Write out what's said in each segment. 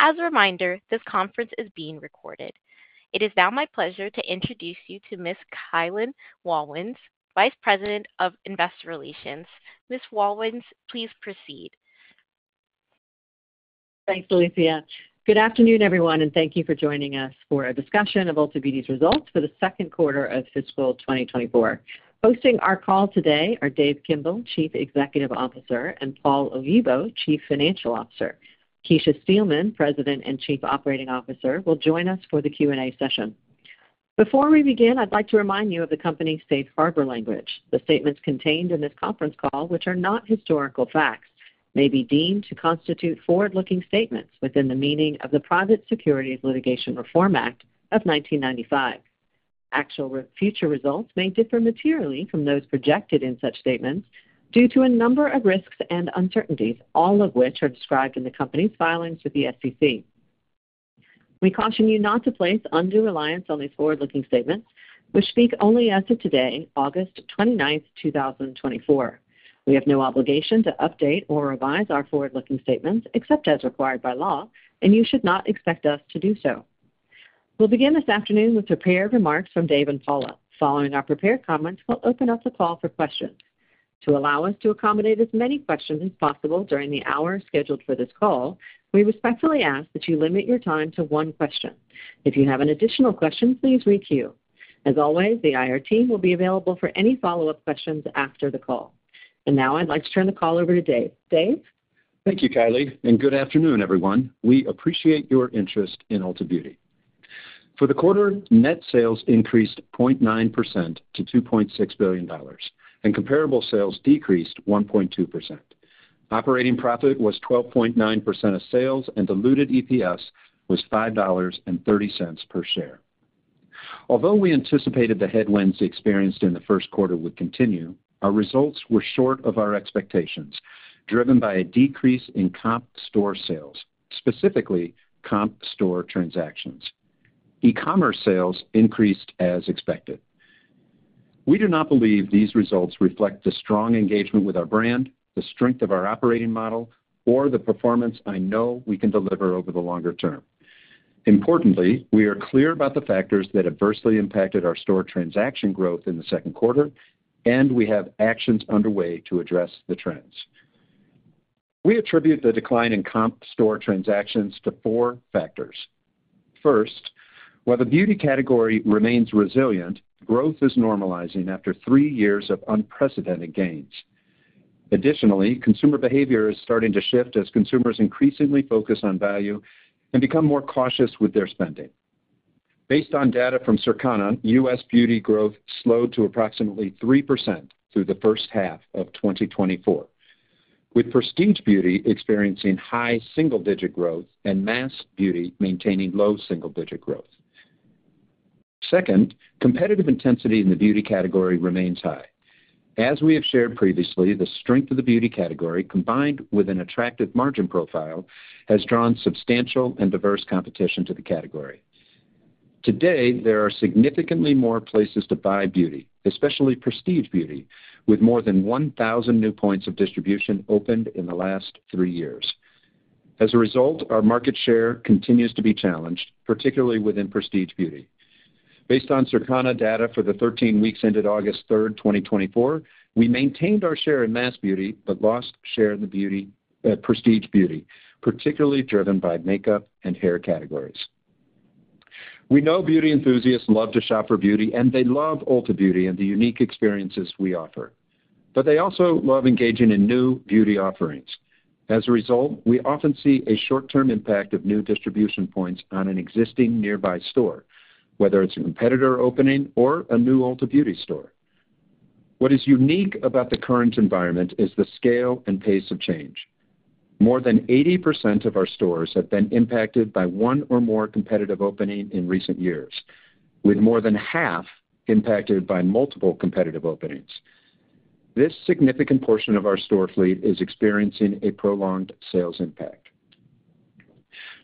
As a reminder, this conference is being recorded. It is now my pleasure to introduce you to Ms. Kayali Rawlins, Vice President of Investor Relations. Ms. Rawlins, please proceed. Thanks, Alicia. Good afternoon, everyone, and thank you for joining us for a discussion of Ulta Beauty's results for the second quarter of fiscal 2024. Hosting our call today are Dave Kimbell, Chief Executive Officer, and Paula Oyibo, Chief Financial Officer. Kecia Steelman, President and Chief Operating Officer, will join us for the Q&A session. Before we begin, I'd like to remind you of the company's Safe Harbor language. The statements contained in this conference call, which are not historical facts, may be deemed to constitute forward-looking statements within the meaning of the Private Securities Litigation Reform Act of 1995. Actual future results may differ materially from those projected in such statements due to a number of risks and uncertainties, all of which are described in the company's filings with the SEC. We caution you not to place undue reliance on these forward-looking statements, which speak only as of today, August 29th, 2024. We have no obligation to update or revise our forward-looking statements, except as required by law, and you should not expect us to do so. We'll begin this afternoon with prepared remarks from Dave and Paula. Following our prepared comments, we'll open up the call for questions. To allow us to accommodate as many questions as possible during the hour scheduled for this call, we respectfully ask that you limit your time to one question. If you have an additional question, please requeue. As always, the IR team will be available for any follow-up questions after the call. And now I'd like to turn the call over to Dave. Dave? Thank you, Kayali, and good afternoon, everyone. We appreciate your interest in Ulta Beauty. For the quarter, net sales increased 0.9% to $2.6 billion, and comparable sales decreased 1.2%. Operating profit was 12.9% of sales, and diluted EPS was $5.30 per share. Although we anticipated the headwinds experienced in the first quarter would continue, our results were short of our expectations, driven by a decrease in comp store sales, specifically comp store transactions. E-commerce sales increased as expected. We do not believe these results reflect the strong engagement with our brand, the strength of our operating model, or the performance I know we can deliver over the longer term. Importantly, we are clear about the factors that adversely impacted our store transaction growth in the second quarter, and we have actions underway to address the trends. We attribute the decline in comp store transactions to four factors. First, while the beauty category remains resilient, growth is normalizing after three years of unprecedented gains. Additionally, consumer behavior is starting to shift as consumers increasingly focus on value and become more cautious with their spending. Based on data from Circana, U.S. beauty growth slowed to approximately 3% through the first half of 2024, with prestige beauty experiencing high single-digit growth and mass beauty maintaining low single-digit growth. Second, competitive intensity in the beauty category remains high. As we have shared previously, the strength of the beauty category, combined with an attractive margin profile, has drawn substantial and diverse competition to the category. Today, there are significantly more places to buy beauty, especially prestige beauty, with more than 1,000 new points of distribution opened in the last three years. As a result, our market share continues to be challenged, particularly within prestige beauty. Based on Circana data for the 13 weeks ended August 3rd, 2024, we maintained our share in mass beauty but lost share in the beauty, prestige beauty, particularly driven by makeup and hair categories. We know beauty enthusiasts love to shop for beauty, and they love Ulta Beauty and the unique experiences we offer, but they also love engaging in new beauty offerings. As a result, we often see a short-term impact of new distribution points on an existing nearby store, whether it's a competitor opening or a new Ulta Beauty store. What is unique about the current environment is the scale and pace of change. More than 80% of our stores have been impacted by one or more competitive opening in recent years, with more than half impacted by multiple competitive openings. This significant portion of our store fleet is experiencing a prolonged sales impact.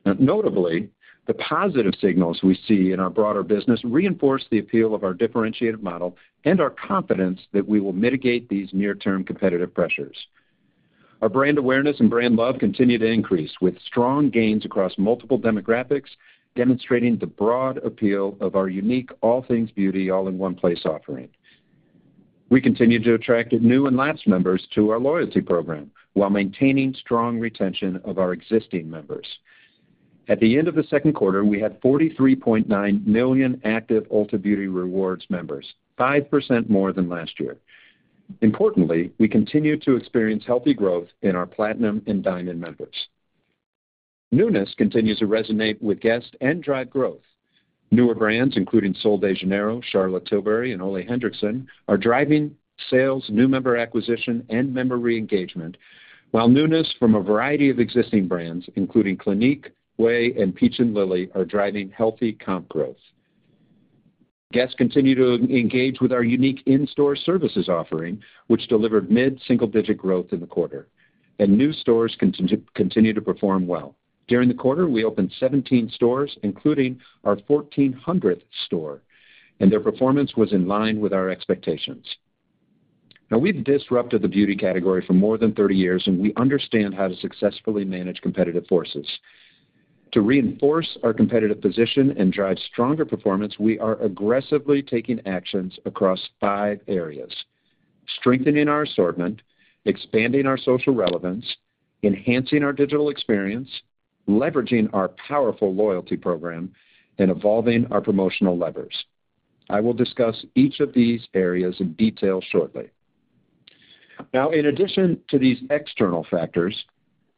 Now, notably, the positive signals we see in our broader business reinforce the appeal of our differentiated model and our confidence that we will mitigate these near-term competitive pressures. Our brand awareness and brand love continue to increase, with strong gains across multiple demographics, demonstrating the broad appeal of our unique all things beauty, all-in-one place offering. We continue to attract new and lapsed members to our loyalty program while maintaining strong retention of our existing members. At the end of the second quarter, we had 43.9 million active Ulta Beauty Rewards members, 5% more than last year. Importantly, we continue to experience healthy growth in our Platinum and Diamond members. Newness continues to resonate with guests and drive growth. Newer brands, including Sol de Janeiro, Charlotte Tilbury, and Ole Henriksen, are driving sales, new member acquisition, and member reengagement, while newness from a variety of existing brands, including Clinique, Ouai, and Peach & Lily, are driving healthy comp growth. Guests continue to engage with our unique in-store services offering, which delivered mid-single-digit growth in the quarter, and new stores continue to perform well. During the quarter, we opened 17 stores, including our fourteenth hundredth store, and their performance was in line with our expectations. Now, we've disrupted the beauty category for more than 30 years, and we understand how to successfully manage competitive forces. To reinforce our competitive position and drive stronger performance, we are aggressively taking actions across five areas: strengthening our assortment, expanding our social relevance, enhancing our digital experience, leveraging our powerful loyalty program, and evolving our promotional levers. I will discuss each of these areas in detail shortly. Now, in addition to these external factors,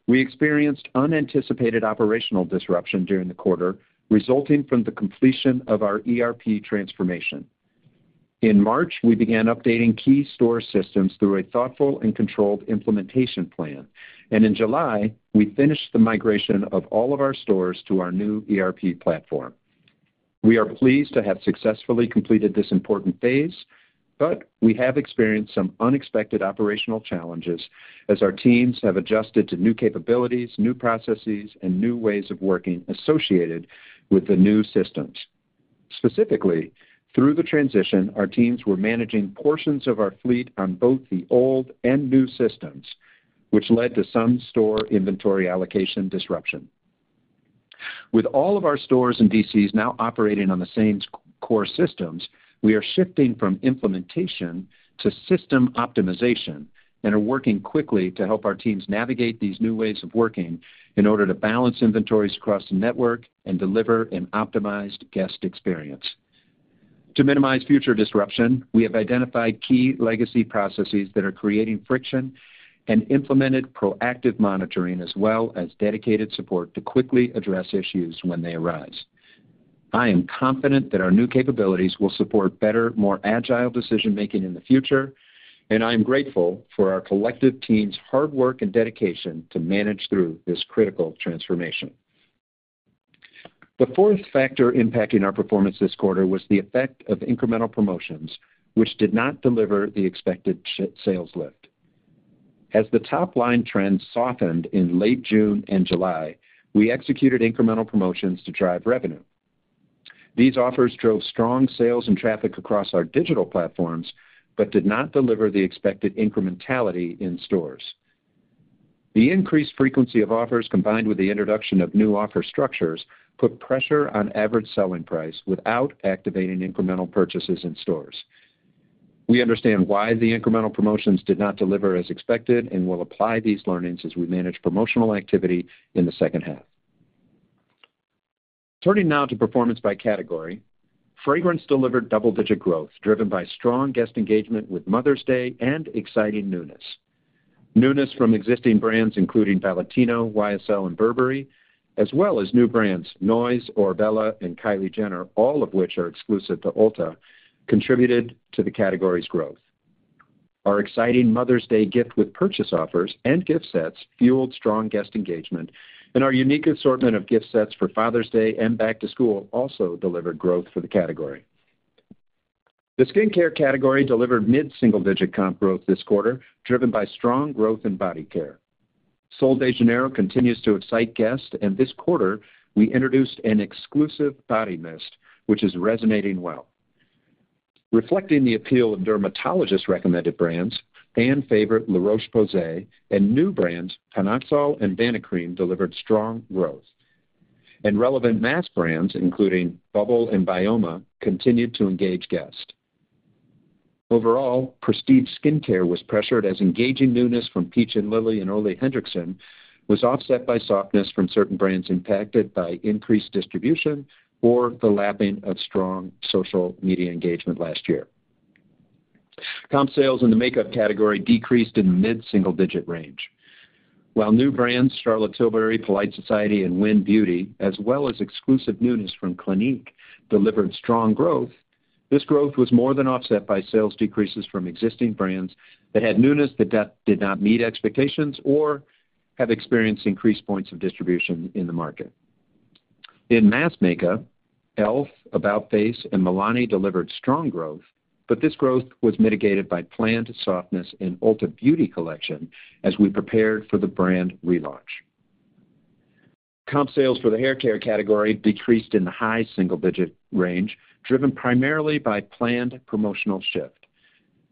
we experienced unanticipated operational disruption during the quarter, resulting from the completion of our ERP transformation. In March, we began updating key store systems through a thoughtful and controlled implementation plan, and in July, we finished the migration of all of our stores to our new ERP platform. We are pleased to have successfully completed this important phase, but we have experienced some unexpected operational challenges as our teams have adjusted to new capabilities, new processes, and new ways of working associated with the new systems. Specifically, through the transition, our teams were managing portions of our fleet on both the old and new systems, which led to some store inventory allocation disruption. With all of our stores and DCs now operating on the same core systems, we are shifting from implementation to system optimization and are working quickly to help our teams navigate these new ways of working in order to balance inventories across the network and deliver an optimized guest experience. To minimize future disruption, we have identified key legacy processes that are creating friction and implemented proactive monitoring, as well as dedicated support to quickly address issues when they arise. I am confident that our new capabilities will support better, more agile decision-making in the future, and I am grateful for our collective team's hard work and dedication to manage through this critical transformation. The fourth factor impacting our performance this quarter was the effect of incremental promotions, which did not deliver the expected sales lift. As the top-line trend softened in late June and July, we executed incremental promotions to drive revenue. These offers drove strong sales and traffic across our digital platforms, but did not deliver the expected incrementality in stores. The increased frequency of offers, combined with the introduction of new offer structures, put pressure on average selling price without activating incremental purchases in stores. We understand why the incremental promotions did not deliver as expected and will apply these learnings as we manage promotional activity in the second half. Turning now to performance by category. Fragrance delivered double-digit growth, driven by strong guest engagement with Mother's Day and exciting newness. Newness from existing brands, including Valentino, YSL, and Burberry, as well as new brands, NOYZ, Orebella, and Kylie Jenner, all of which are exclusive to Ulta, contributed to the category's growth. Our exciting Mother's Day gift with purchase offers and gift sets fueled strong guest engagement, and our unique assortment of gift sets for Father's Day and back to school also delivered growth for the category. The skincare category delivered mid-single-digit comp growth this quarter, driven by strong growth in body care. Sol de Janeiro continues to excite guests, and this quarter, we introduced an exclusive body mist, which is resonating well. Reflecting the appeal of dermatologist-recommended brands, fan favorite La Roche-Posay, and new brands, PanOxyl and Vanicream, delivered strong growth, and relevant mass brands, including Bubble and Byoma, continued to engage guests. Overall, prestige skincare was pressured as engaging newness from Peach & Lily and Ole Henriksen was offset by softness from certain brands impacted by increased distribution or the lapping of strong social media engagement last year. Comp sales in the makeup category decreased in the mid-single-digit range. While new brands, Charlotte Tilbury, Polite Society, and WYN Beauty, as well as exclusive newness from Clinique, delivered strong growth, this growth was more than offset by sales decreases from existing brands that had newness that did not meet expectations or have experienced increased points of distribution in the market. In mass makeup, e.l.f., about-face, and Milani delivered strong growth, but this growth was mitigated by planned softness in Ulta Beauty Collection as we prepared for the brand relaunch. Comp sales for the haircare category decreased in the high single-digit range, driven primarily by planned promotional shift.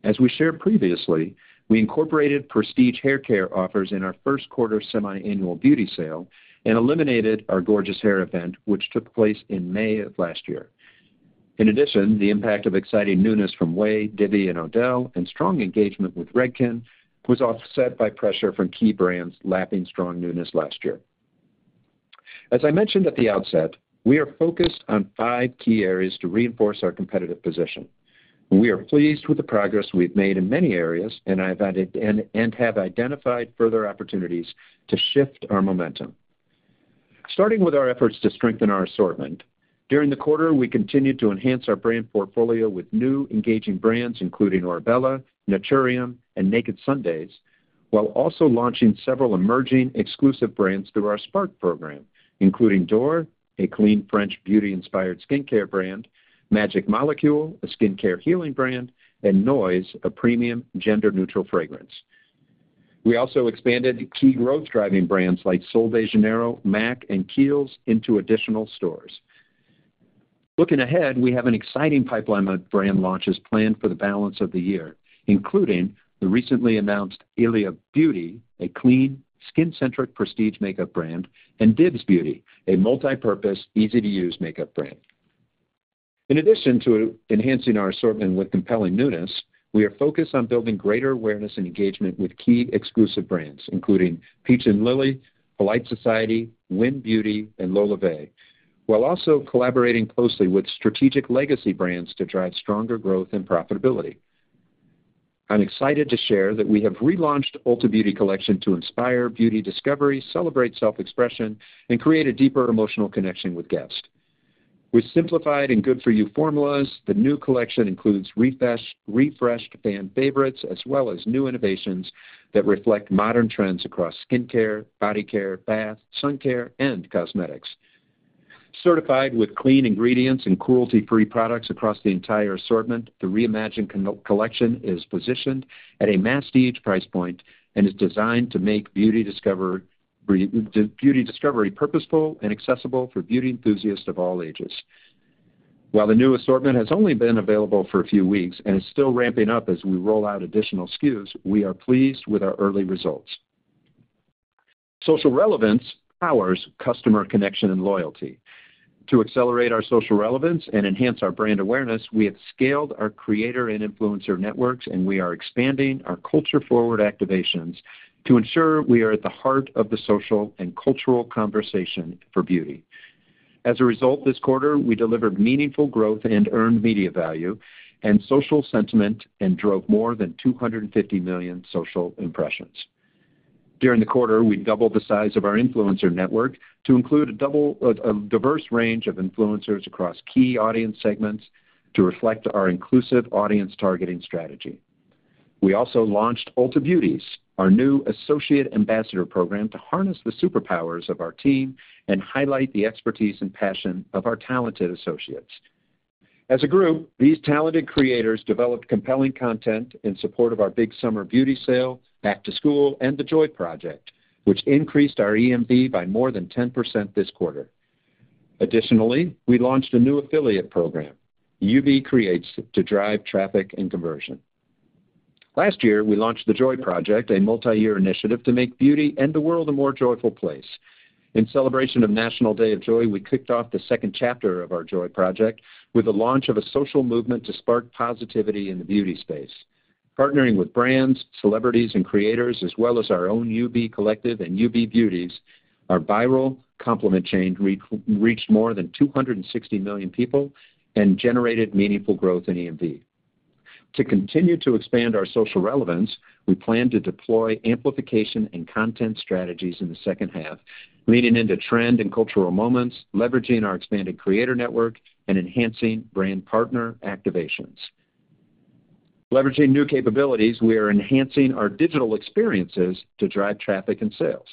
As we shared previously, we incorporated prestige haircare offers in our first quarter Semiannual Beauty Sale and eliminated our Gorgeous Hair Event, which took place in May of last year. In addition, the impact of exciting newness from Ouai, Divi, and Odele, and strong engagement with Redken, was offset by pressure from key brands lapping strong newness last year. As I mentioned at the outset, we are focused on five key areas to reinforce our competitive position. We are pleased with the progress we've made in many areas, and I have identified further opportunities to shift our momentum. Starting with our efforts to strengthen our assortment, during the quarter, we continued to enhance our brand portfolio with new, engaging brands, including Orebella, Naturium, and Naked Sundays, while also launching several emerging exclusive brands through our Spark program, including Doré, a clean, French beauty-inspired skincare brand, Magic Molecule, a skincare healing brand, and NOYZ, a premium, gender-neutral fragrance. We also expanded key growth-driving brands like Sol de Janeiro, MAC, and Kiehl's into additional stores. Looking ahead, we have an exciting pipeline of brand launches planned for the balance of the year, including the recently announced ILIA Beauty, a clean, skin-centric prestige makeup brand, and DIBS Beauty, a multipurpose, easy-to-use makeup brand. In addition to enhancing our assortment with compelling newness, we are focused on building greater awareness and engagement with key exclusive brands, including Peach & Lily, Polite Society, WYN Beauty, and LolaVie, while also collaborating closely with strategic legacy brands to drive stronger growth and profitability. I'm excited to share that we have relaunched Ulta Beauty Collection to inspire beauty discovery, celebrate self-expression, and create a deeper emotional connection with guests. With simplified and good-for-you formulas, the new collection includes refreshed fan favorites, as well as new innovations that reflect modern trends across skincare, body care, bath, sun care, and cosmetics. Certified with clean ingredients and cruelty-free products across the entire assortment, the reimagined collection is positioned at a masstige price point and is designed to make beauty discovery purposeful and accessible for beauty enthusiasts of all ages. While the new assortment has only been available for a few weeks and is still ramping up as we roll out additional SKUs, we are pleased with our early results. Social relevance powers customer connection and loyalty. To accelerate our social relevance and enhance our brand awareness, we have scaled our creator and influencer networks, and we are expanding our culture-forward activations to ensure we are at the heart of the social and cultural conversation for beauty. As a result, this quarter, we delivered meaningful growth and earned media value and social sentiment and drove more than 250 million social impressions. During the quarter, we doubled the size of our influencer network to include a diverse range of influencers across key audience segments to reflect our inclusive audience targeting strategy. We also launched UB Beauties, our new associate ambassador program, to harness the superpowers of our team and highlight the expertise and passion of our talented associates. As a group, these talented creators developed compelling content in support of our Big Summer Beauty Sale, Back to School, and The Joy Project, which increased our EMV by more than 10% this quarter. Additionally, we launched a new affiliate program, UB Creates, to drive traffic and conversion. Last year, we launched The Joy Project, a multiyear initiative to make beauty and the world a more joyful place. In celebration of National Day of Joy, we kicked off the second chapter of our Joy Project with the launch of a social movement to spark positivity in the beauty space. Partnering with brands, celebrities, and creators, as well as our own UB Collective and UB Beauties, our viral compliment chain reached more than 260 million people and generated meaningful growth in EMV. To continue to expand our social relevance, we plan to deploy amplification and content strategies in the second half, leaning into trend and cultural moments, leveraging our expanded creator network, and enhancing brand partner activations. Leveraging new capabilities, we are enhancing our digital experiences to drive traffic and sales.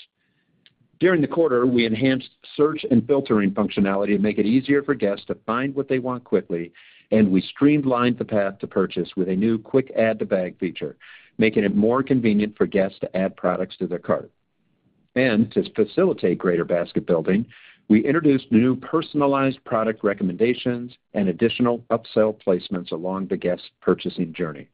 During the quarter, we enhanced search and filtering functionality to make it easier for guests to find what they want quickly, and we streamlined the path to purchase with a new quick add to bag feature, making it more convenient for guests to add products to their cart. And to facilitate greater basket building, we introduced new personalized product recommendations and additional upsell placements along the guest's purchasing journey.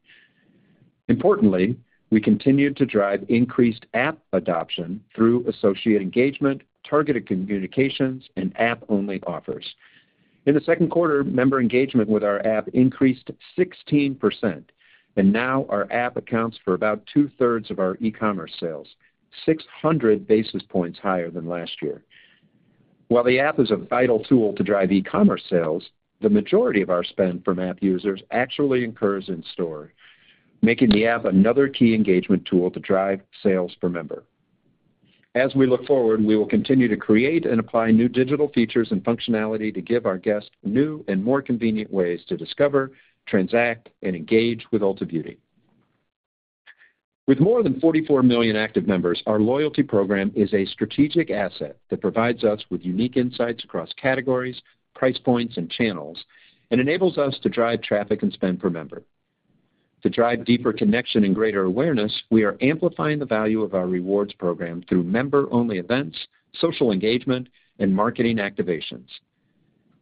Importantly, we continued to drive increased app adoption through associate engagement, targeted communications, and app-only offers. In the second quarter, member engagement with our app increased 16%, and now our app accounts for about 2/3 of our e-commerce sales, 600 bps higher than last year. While the app is a vital tool to drive e-commerce sales, the majority of our spend for app users actually occurs in store, making the app another key engagement tool to drive sales per member. As we look forward, we will continue to create and apply new digital features and functionality to give our guests new and more convenient ways to discover, transact, and engage with Ulta Beauty. With more than 44 million active members, our loyalty program is a strategic asset that provides us with unique insights across categories, price points, and channels, and enables us to drive traffic and spend per member. To drive deeper connection and greater awareness, we are amplifying the value of our rewards program through member-only events, social engagement, and marketing activations.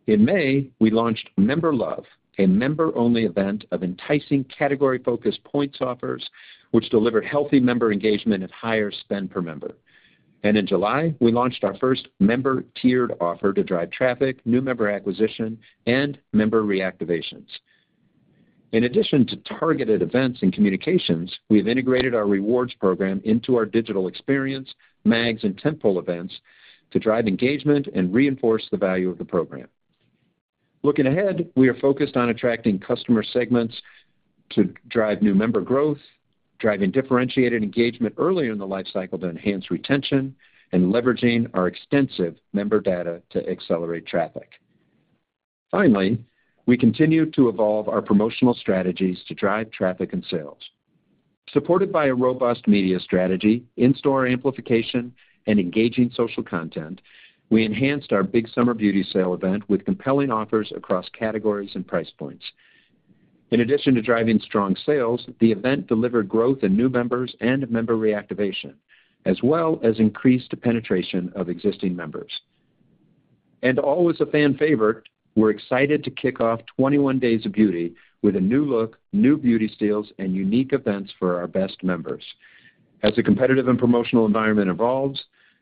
In May, we launched Member Love, a member-only event of enticing category-focused points offers, which delivered healthy member engagement and higher spend per member, and in July, we launched our first member-tiered offer to drive traffic, new member acquisition, and member reactivations. In addition to targeted events and communications, we have integrated our rewards program into our digital experience, mags, and tentpole events to drive engagement and reinforce the value of the program. Looking ahead, we are focused on attracting customer segments to drive new member growth, driving differentiated engagement earlier in the life cycle to enhance retention, and leveraging our extensive member data to accelerate traffic. Finally, we continue to evolve our promotional strategies to drive traffic and sales. Supported by a robust media strategy, in-store amplification, and engaging social content, we enhanced our Big Summer Beauty Sale event with compelling offers across categories and price points. In addition to driving strong sales, the event delivered growth in new members and member reactivation, as well as increased the penetration of existing members. And always a fan favorite, we're excited to kick off 21 Days of Beauty with a new look, new beauty steals, and unique events for our best members. As the competitive and promotional environment evolves,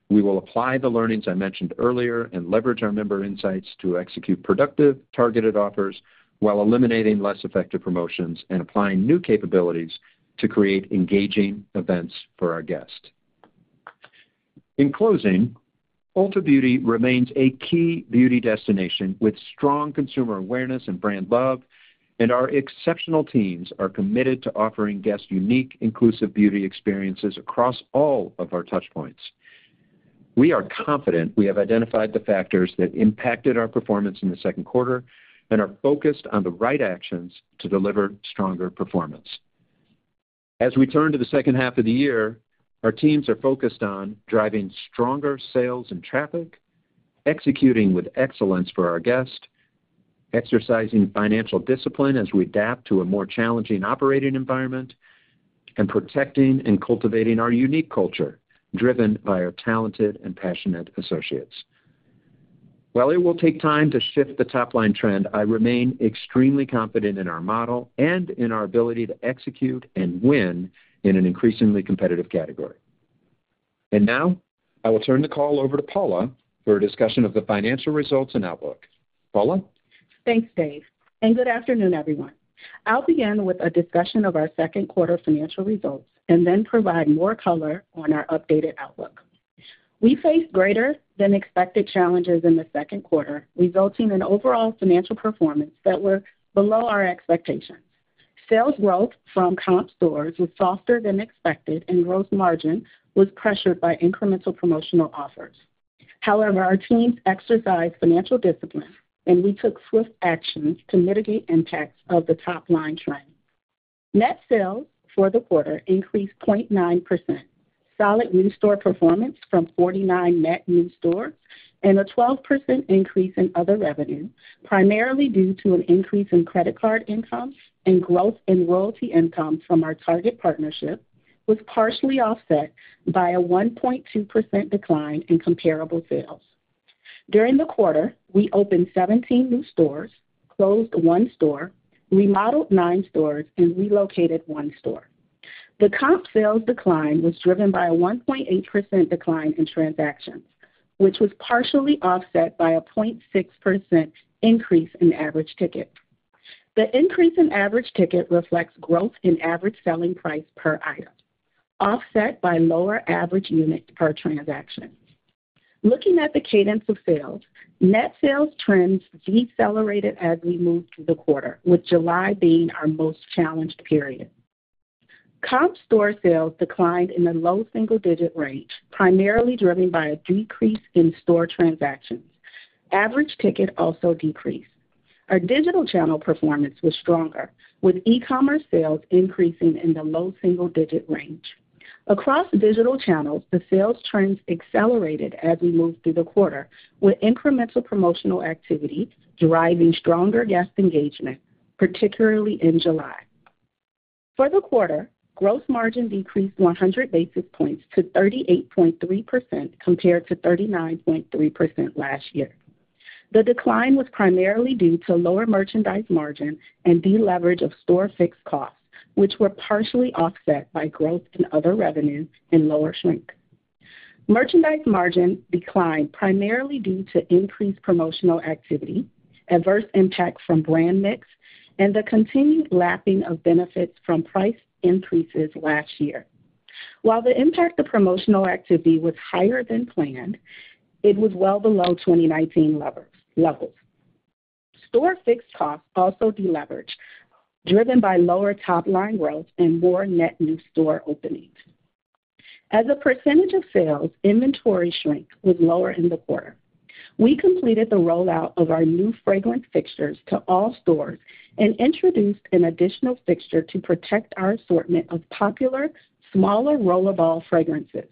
we will apply the learnings I mentioned earlier and leverage our member insights to execute productive, targeted offers, while eliminating less effective promotions and applying new capabilities to create engaging events for our guests. In closing, Ulta Beauty remains a key beauty destination with strong consumer awareness and brand love, and our exceptional teams are committed to offering guests unique, inclusive beauty experiences across all of our touchpoints. We are confident we have identified the factors that impacted our performance in the second quarter and are focused on the right actions to deliver stronger performance. As we turn to the second half of the year, our teams are focused on driving stronger sales and traffic, executing with excellence for our guests, exercising financial discipline as we adapt to a more challenging operating environment, and protecting and cultivating our unique culture, driven by our talented and passionate associates. While it will take time to shift the top line trend, I remain extremely confident in our model and in our ability to execute and win in an increasingly competitive category. And now, I will turn the call over to Paula for a discussion of the financial results and outlook. Paula? Thanks, Dave, and good afternoon, everyone. I'll begin with a discussion of our second quarter financial results and then provide more color on our updated outlook. We faced greater-than-expected challenges in the second quarter, resulting in overall financial performance that were below our expectations. Sales growth from comp stores was softer than expected, and gross margin was pressured by incremental promotional offers. However, our teams exercised financial discipline, and we took swift actions to mitigate impacts of the top-line trend. Net sales for the quarter increased 0.9%. Solid new store performance from 49 net new stores and a 12% increase in other revenue, primarily due to an increase in credit card income and growth in royalty income from our Target partnership, was partially offset by a 1.2% decline in comparable sales. During the quarter, we opened seventeen new stores, closed one store, remodeled nine stores, and relocated one store. The comp sales decline was driven by a 1.8% decline in transactions, which was partially offset by a 0.6% increase in average ticket. The increase in average ticket reflects growth in average selling price per item, offset by lower average unit per transaction. Looking at the cadence of sales, net sales trends decelerated as we moved through the quarter, with July being our most challenged period. Comp store sales declined in the low single-digit range, primarily driven by a decrease in store transactions. Average ticket also decreased. Our digital channel performance was stronger, with e-commerce sales increasing in the low single-digit range. Across digital channels, the sales trends accelerated as we moved through the quarter, with incremental promotional activity driving stronger guest engagement, particularly in July. For the quarter, gross margin decreased 100 bps to 38.3%, compared to 39.3% last year. The decline was primarily due to lower merchandise margin and deleverage of store fixed costs, which were partially offset by growth in other revenues and lower shrink. Merchandise margin declined primarily due to increased promotional activity, adverse impacts from brand mix, and the continued lapping of benefits from price increases last year. While the impact of promotional activity was higher than planned, it was well below 2019 levels. Store fixed costs also deleveraged, driven by lower top-line growth and more net new store openings. As a percentage of sales, inventory shrink was lower in the quarter. We completed the rollout of our new fragrance fixtures to all stores and introduced an additional fixture to protect our assortment of popular, smaller rollerball fragrances.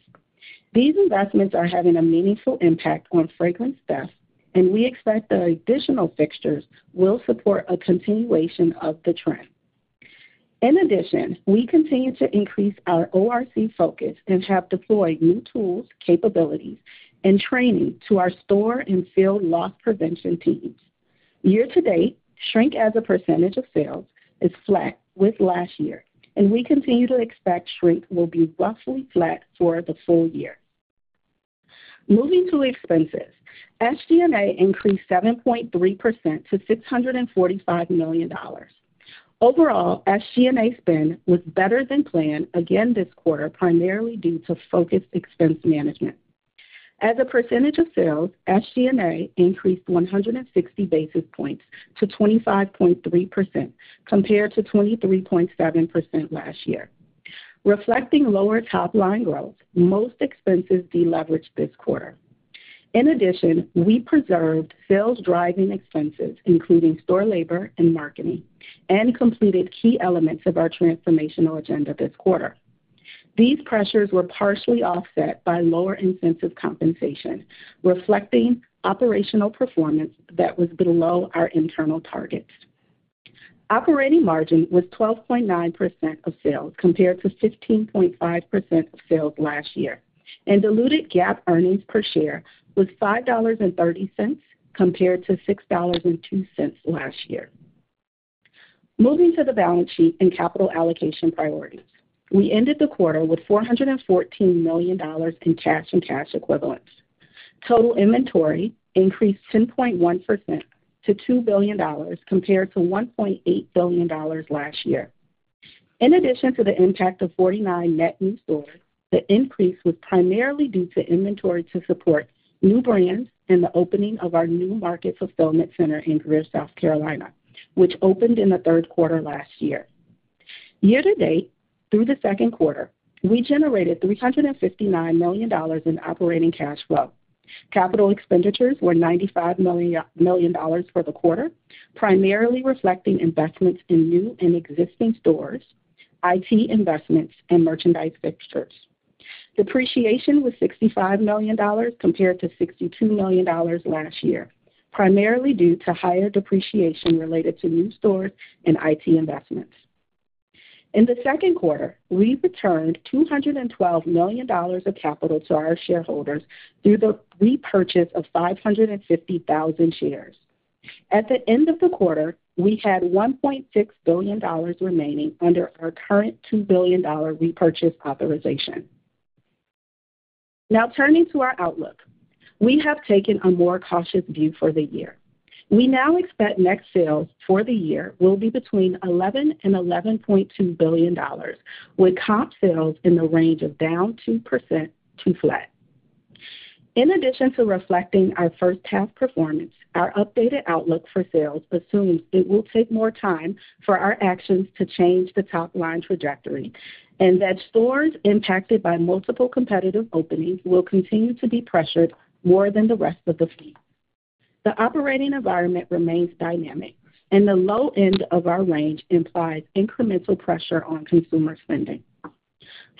These investments are having a meaningful impact on fragrance depth, and we expect the additional fixtures will support a continuation of the trend. In addition, we continue to increase our ORC focus and have deployed new tools, capabilities, and training to our store and field loss prevention teams. Year to date, shrink as a percentage of sales is flat with last year, and we continue to expect shrink will be roughly flat for the full year. Moving to expenses, SG&A increased 7.3% to $645 million. Overall, SG&A spend was better than planned again this quarter, primarily due to focused expense management. As a percentage of sales, SG&A increased 160 bps to 25.3%, compared to 23.7% last year. Reflecting lower top-line growth, most expenses deleveraged this quarter. In addition, we preserved sales-driving expenses, including store labor and marketing, and completed key elements of our transformational agenda this quarter. These pressures were partially offset by lower incentive compensation, reflecting operational performance that was below our internal targets. Operating margin was 12.9% of sales, compared to 15.5% of sales last year, and diluted GAAP earnings per share was $5.30, compared to $6.02 last year. Moving to the balance sheet and capital allocation priorities. We ended the quarter with $414 million in cash and cash equivalents. Total inventory increased 10.1% to $2 billion, compared to $1.8 billion last year. In addition to the impact of 49 net new stores, the increase was primarily due to inventory to support new brands and the opening of our new market fulfillment center in Greer, South Carolina, which opened in the third quarter last year. Year to date, through the second quarter, we generated $359 million in operating cash flow. Capital expenditures were $95 million for the quarter, primarily reflecting investments in new and existing stores, IT investments, and merchandise fixtures. Depreciation was $65 million, compared to $62 million last year, primarily due to higher depreciation related to new stores and IT investments. In the second quarter, we returned $212 million of capital to our shareholders through the repurchase of 550,000 shares. At the end of the quarter, we had $1.6 billion remaining under our current $2 billion repurchase authorization. Now turning to our outlook. We have taken a more cautious view for the year. We now expect net sales for the year will be between $11 billion and $11.2 billion, with comp sales in the range of down 2% to flat. In addition to reflecting our first half performance, our updated outlook for sales assumes it will take more time for our actions to change the top line trajectory, and that stores impacted by multiple competitive openings will continue to be pressured more than the rest of the fleet. The operating environment remains dynamic, and the low end of our range implies incremental pressure on consumer spending.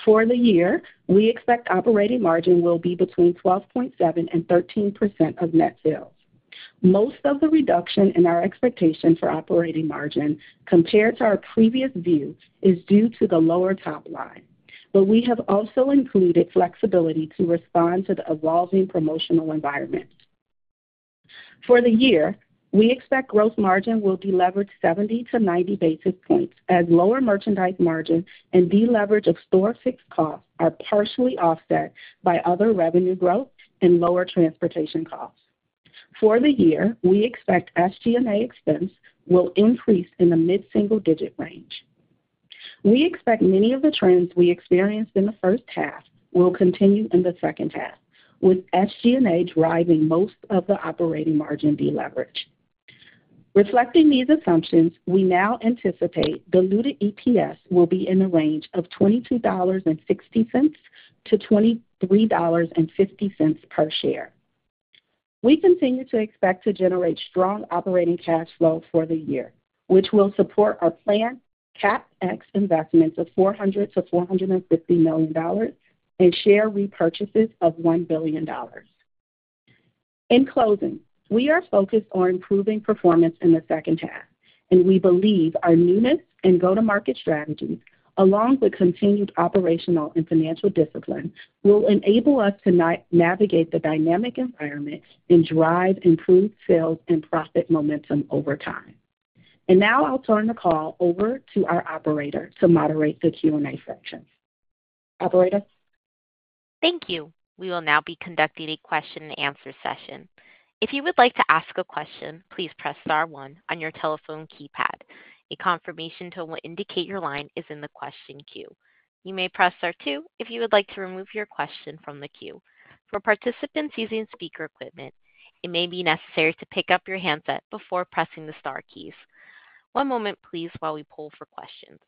For the year, we expect operating margin will be between 12.7% and 13% of net sales. Most of the reduction in our expectation for operating margin compared to our previous view is due to the lower top line, but we have also included flexibility to respond to the evolving promotional environment. For the year, we expect gross margin will deleverage 70 bps to 90 bps, as lower merchandise margins and deleverage of store fixed costs are partially offset by other revenue growth and lower transportation costs. For the year, we expect SG&A expense will increase in the mid-single digit range. We expect many of the trends we experienced in the first half will continue in the second half, with SG&A driving most of the operating margin deleverage. Reflecting these assumptions, we now anticipate diluted EPS will be in the range of $22.60-$23.50 per share. We continue to expect to generate strong operating cash flow for the year, which will support our planned CapEx investments of $400 million to $450 million and share repurchases of $1 billion. In closing, we are focused on improving performance in the second half, and we believe our newness and go-to-market strategies, along with continued operational and financial discipline, will enable us to navigate the dynamic environment and drive improved sales and profit momentum over time. And now I'll turn the call over to our operator to moderate the Q&A section. Operator? Thank you. We will now be conducting a question and answer session. If you would like to ask a question, please press star one on your telephone keypad. A confirmation tone will indicate your line is in the question queue. You may press star two if you would like to remove your question from the queue. For participants using speaker equipment, it may be necessary to pick up your handset before pressing the star keys. One moment, please, while we poll for questions.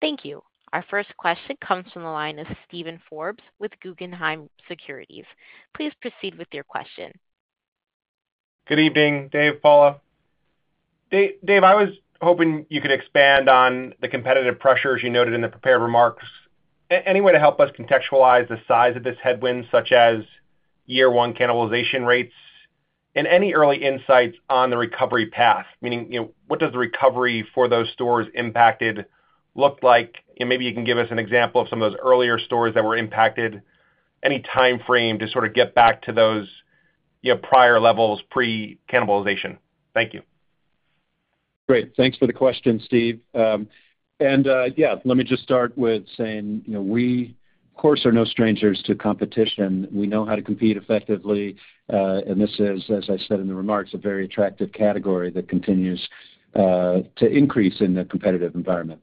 Thank you. Our first question comes from the line of Steven Forbes with Guggenheim Securities. Please proceed with your question. Good evening, Dave, Paula. Dave, I was hoping you could expand on the competitive pressures you noted in the prepared remarks. Any way to help us contextualize the size of this headwind, such as year one cannibalization rates, and any early insights on the recovery path? Meaning, you know, what does the recovery for those stores impacted look like? And maybe you can give us an example of some of those earlier stores that were impacted. Any time frame to sort of get back to those, you know, prior levels, pre-cannibalization? Thank you. Great. Thanks for the question, Steve. And, yeah, let me just start with saying, you know, we of course, are no strangers to competition. We know how to compete effectively, and this is, as I said in the remarks, a very attractive category that continues to increase in the competitive environment.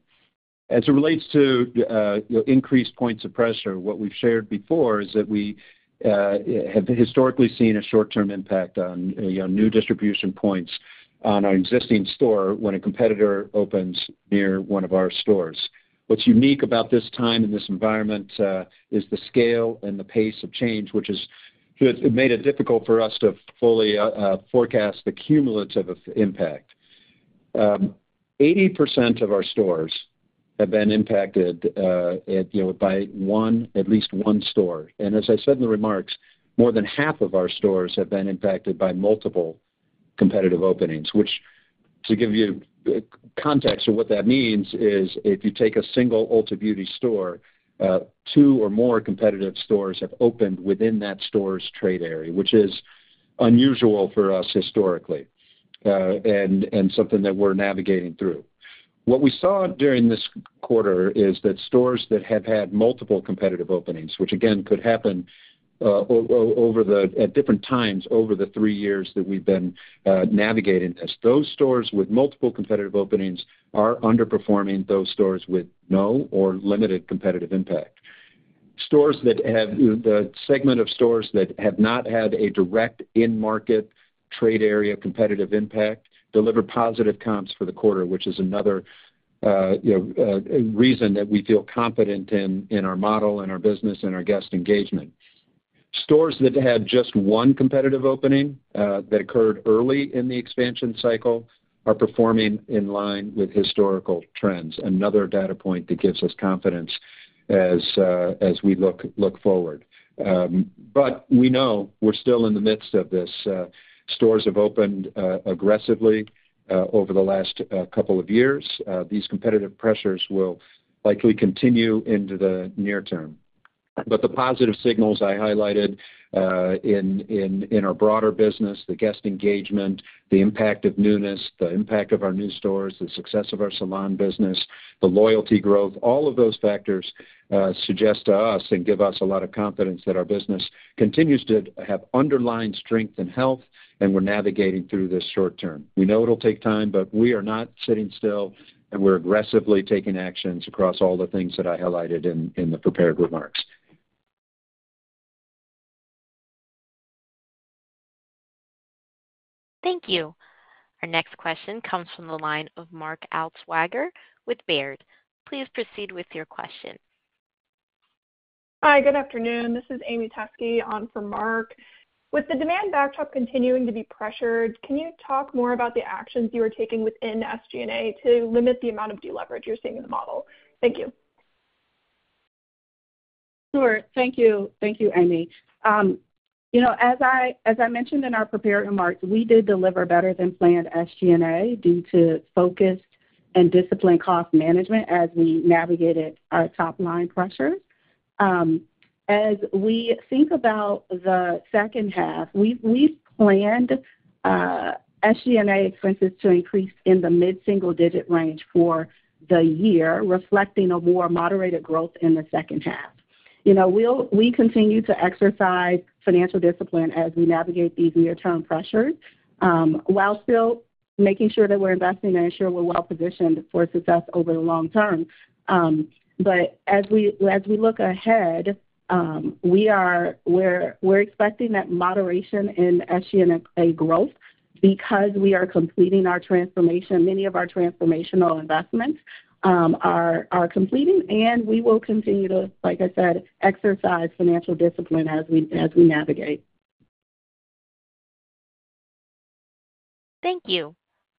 As it relates to, you know, increased points of pressure, what we've shared before is that we have historically seen a short-term impact on, you know, new distribution points on our existing store when a competitor opens near one of our stores. What's unique about this time and this environment is the scale and the pace of change, which has made it difficult for us to fully forecast the cumulative impact.... 80% of our stores have been impacted, you know, by one, at least one store, and as I said in the remarks, more than half of our stores have been impacted by multiple competitive openings, which, to give you context of what that means, is if you take a single Ulta Beauty store, two or more competitive stores have opened within that store's trade area, which is unusual for us historically, and something that we're navigating through. What we saw during this quarter is that stores that have had multiple competitive openings, which, again, could happen at different times over the three years that we've been navigating this. Those stores with multiple competitive openings are underperforming those stores with no or limited competitive impact. Stores that have the segment of stores that have not had a direct in-market trade area competitive impact delivered positive comps for the quarter, which is another, you know, reason that we feel confident in our model and our business and our guest engagement. Stores that had just one competitive opening that occurred early in the expansion cycle are performing in line with historical trends, another data point that gives us confidence as we look forward. But we know we're still in the midst of this. Stores have opened aggressively over the last couple of years. These competitive pressures will likely continue into the near term. But the positive signals I highlighted, in our broader business, the guest engagement, the impact of newness, the impact of our new stores, the success of our salon business, the loyalty growth, all of those factors, suggest to us and give us a lot of confidence that our business continues to have underlying strength and health, and we're navigating through this short term. We know it'll take time, but we are not sitting still, and we're aggressively taking actions across all the things that I highlighted in the prepared remarks. Thank you. Our next question comes from the line of Mark Altschwager with Baird. Please proceed with your question. Hi, good afternoon. This is Amy Theis on for Mark. With the demand backdrop continuing to be pressured, can you talk more about the actions you are taking within SG&A to limit the amount of deleverage you're seeing in the model? Thank you. Sure. Thank you. Thank you, Amy. You know, as I mentioned in our prepared remarks, we did deliver better than planned SG&A due to focused and disciplined cost management as we navigated our top-line pressures. As we think about the second half, we've planned SG&A expenses to increase in the mid-single digit range for the year, reflecting a more moderated growth in the second half. You know, we continue to exercise financial discipline as we navigate these near-term pressures, while still making sure that we're investing and ensure we're well positioned for success over the long term. But as we look ahead, we're expecting that moderation in SG&A growth because we are completing our transformation. Many of our transformational investments are completing, and we will continue to, like I said, exercise financial discipline as we navigate. Thank you.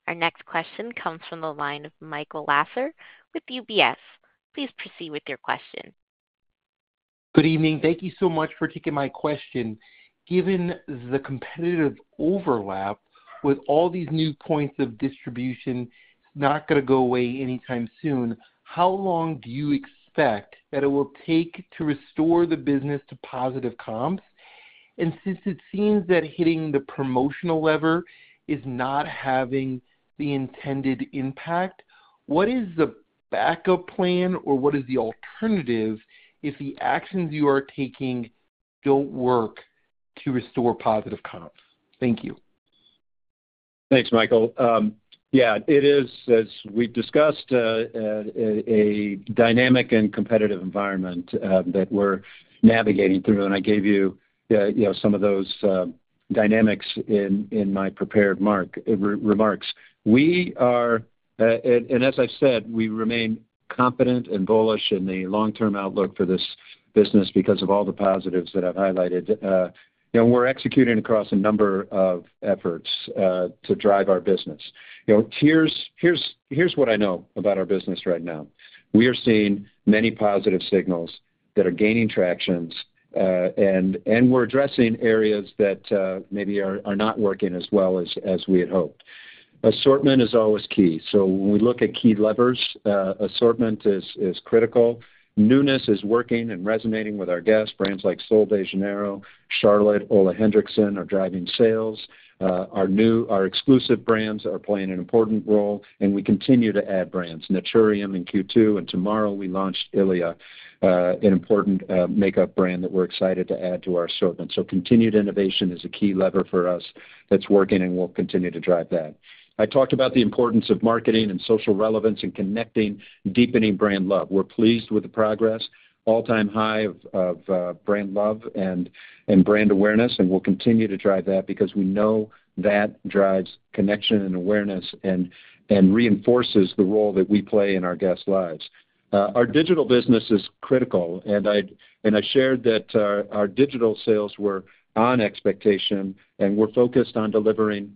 Our next question comes from the line of Michael Lasser with UBS. Please proceed with your question. Good evening. Thank you so much for taking my question. Given the competitive overlap with all these new points of distribution, it's not gonna go away anytime soon, how long do you expect that it will take to restore the business to positive comps? And since it seems that hitting the promotional lever is not having the intended impact, what is the backup plan, or what is the alternative if the actions you are taking don't work to restore positive comps? Thank you. Thanks, Michael. Yeah, it is, as we've discussed, a dynamic and competitive environment that we're navigating through, and I gave you, you know, some of those dynamics in my prepared remarks. We are. And as I've said, we remain confident and bullish in the long-term outlook for this business because of all the positives that I've highlighted. You know, we're executing across a number of efforts to drive our business. You know, here's what I know about our business right now. We are seeing many positive signals that are gaining traction, and we're addressing areas that maybe are not working as well as we had hoped. Assortment is always key, so when we look at key levers, assortment is critical. Newness is working and resonating with our guests. Brands like Sol de Janeiro, Charlotte, Ole Henriksen, are driving sales. Our new, our exclusive brands are playing an important role, and we continue to add brands, Naturium in Q2, and tomorrow, we launched Ilia, an important, makeup brand that we're excited to add to our assortment. Continued innovation is a key lever for us that's working, and we'll continue to drive that. I talked about the importance of marketing and social relevance and connecting, deepening brand love. We're pleased with the progress, all-time high of brand love and brand awareness, and we'll continue to drive that because we know that drives connection and awareness and reinforces the role that we play in our guests' lives. Our digital business is critical, and I shared that, our digital sales were on expectation, and we're focused on delivering-...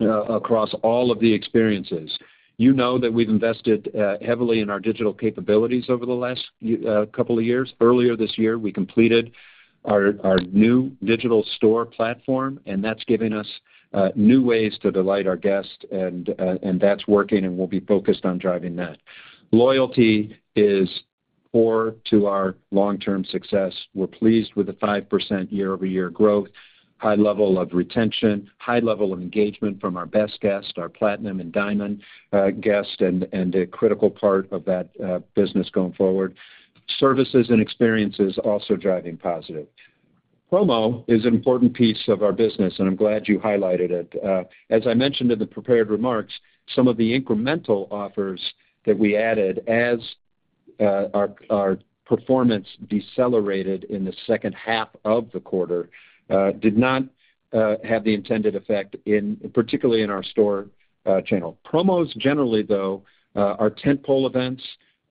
Across all of the experiences. You know that we've invested heavily in our digital capabilities over the last couple of years. Earlier this year, we completed our new digital store platform, and that's giving us new ways to delight our guests, and that's working, and we'll be focused on driving that. Loyalty is core to our long-term success. We're pleased with the 5% year-over-year growth, high level of retention, high level of engagement from our best guests, our platinum and diamond guests, and a critical part of that business going forward. Services and experiences also driving positive. Promo is an important piece of our business, and I'm glad you highlighted it. As I mentioned in the prepared remarks, some of the incremental offers that we added as our performance decelerated in the second half of the quarter did not have the intended effect, particularly in our store channel. Promos, generally, though, are tentpole events.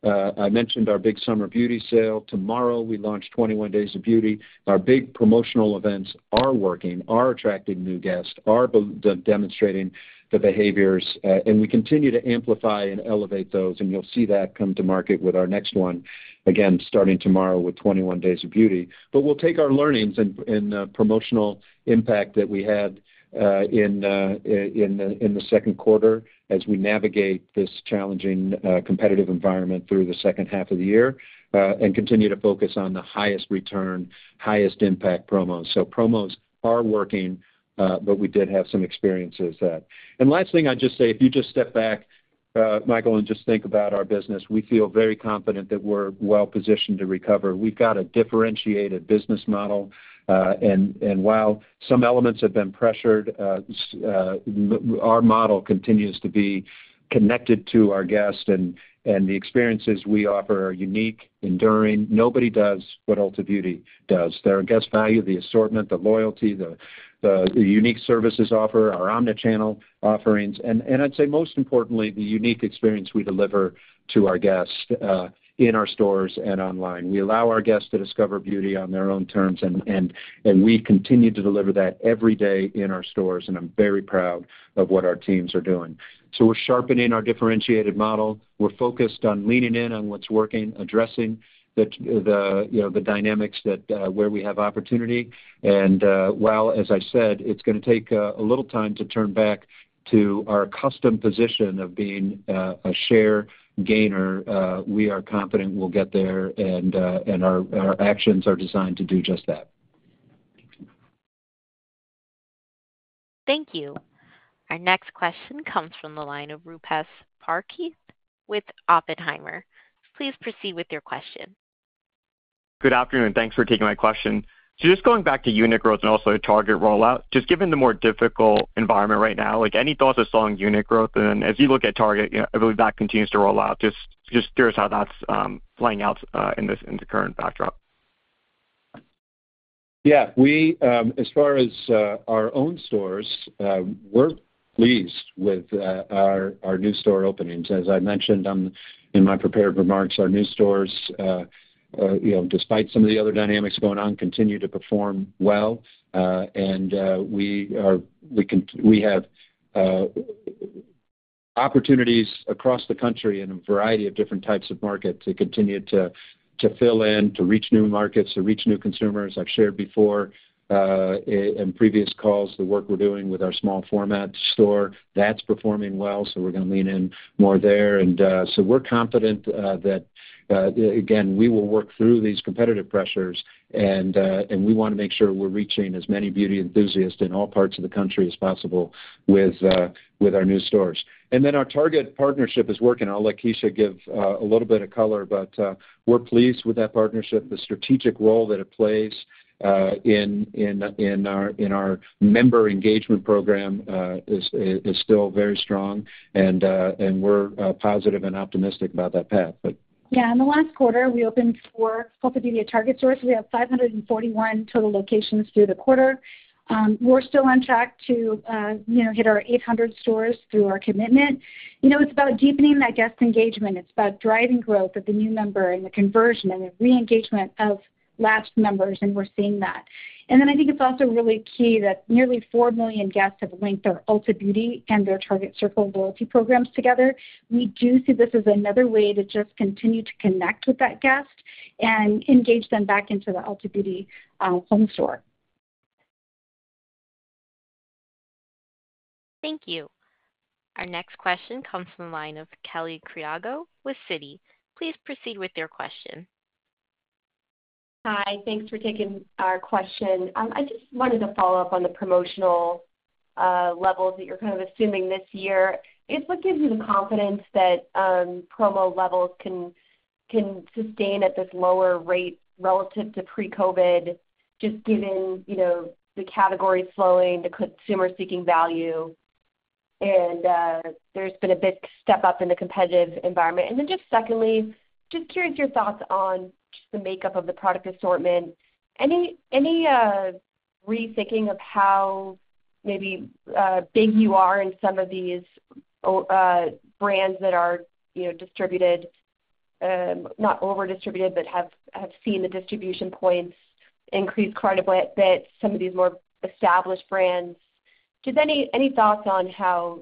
I mentioned our Big Summer Beauty Sale. Tomorrow, we launch 21 Days of Beauty. Our big promotional events are working, are attracting new guests, are demonstrating the behaviors, and we continue to amplify and elevate those, and you'll see that come to market with our next one, again, starting tomorrow with 21 Days of Beauty. But we'll take our learnings and promotional impact that we had in the second quarter as we navigate this challenging competitive environment through the second half of the year and continue to focus on the highest return, highest impact promos. So promos are working, but we did have some experiences that... And last thing I'd just say, if you just step back, Michael, and just think about our business, we feel very confident that we're well positioned to recover. We've got a differentiated business model, and while some elements have been pressured, our model continues to be connected to our guests, and the experiences we offer are unique, enduring. Nobody does what Ulta Beauty does. Their guests value the assortment, the loyalty, the unique service offerings, our omni-channel offerings, and I'd say, most importantly, the unique experience we deliver to our guests in our stores and online. We allow our guests to discover beauty on their own terms, and we continue to deliver that every day in our stores, and I'm very proud of what our teams are doing. So we're sharpening our differentiated model. We're focused on leaning in on what's working, addressing the dynamics that, you know, where we have opportunity. And while, as I said, it's gonna take a little time to turn back to our customary position of being a share gainer, we are confident we'll get there, and our actions are designed to do just that. Thank you. Our next question comes from the line of Rupesh Parikh with Oppenheimer. Please proceed with your question. Good afternoon. Thanks for taking my question. So just going back to unit growth and also Target rollout, just given the more difficult environment right now, like, any thoughts on unit growth? And then, as you look at Target, you know, I believe that continues to roll out. Just curious how that's playing out in the current backdrop. Yeah, we, as far as, our own stores, we're pleased with, our new store openings. As I mentioned in my prepared remarks, our new stores, you know, despite some of the other dynamics going on, continue to perform well, and we have opportunities across the country in a variety of different types of markets to continue to fill in, to reach new markets, to reach new consumers. I've shared before, in previous calls, the work we're doing with our small format store, that's performing well, so we're gonna lean in more there. And, so we're confident that again we will work through these competitive pressures, and we wanna make sure we're reaching as many beauty enthusiasts in all parts of the country as possible with our new stores. And then, our Target partnership is working. I'll let Kecia give a little bit of color, but we're pleased with that partnership. The strategic role that it plays in our member engagement program is still very strong, and we're positive and optimistic about that path, but- Yeah, in the last quarter, we opened four Ulta Beauty at Target stores. We have 541 total locations through the quarter. We're still on track to, you know, hit our 800 stores through our commitment. You know, it's about deepening that guest engagement. It's about driving growth of the new member and the conversion and the re-engagement of lapsed members, and we're seeing that. And then I think it's also really key that nearly four million guests have linked their Ulta Beauty and their Target Circle loyalty programs together. We do see this as another way to just continue to connect with that guest and engage them back into the Ulta Beauty home store. Thank you. Our next question comes from the line of Kelly Crago with Citi. Please proceed with your question. Hi, thanks for taking our question. I just wanted to follow up on the promotional levels that you're kind of assuming this year. It's what gives you the confidence that promo levels can sustain at this lower rate relative to pre-COVID, just given, you know, the category slowing, the consumer seeking value, and there's been a big step up in the competitive environment. And then, just secondly, just curious your thoughts on just the makeup of the product assortment. Any rethinking of how maybe big you are in some of these brands that are, you know, distributed?... not over-distributed, but have seen the distribution points increase quite a bit, some of these more established brands. Just any thoughts on how,